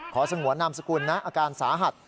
สงวนนามสกุลนะอาการสาหัส